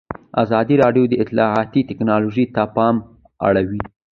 ازادي راډیو د اطلاعاتی تکنالوژي ته پام اړولی.